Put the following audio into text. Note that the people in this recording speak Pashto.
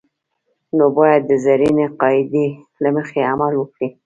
نو باید د زرینې قاعدې له مخې عمل وکړي.